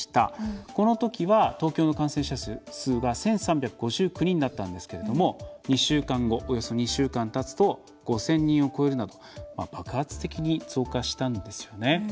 このときは東京の感染者数が１３５９人だったんですけれども２週間後、およそ２週間たつと５０００人を超えるなど爆発的に増加したんですよね。